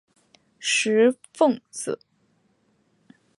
石皋子。